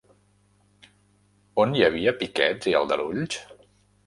On hi havia piquets i aldarulls?